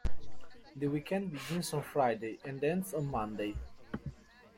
The weekend begins on Friday, and ends on Monday.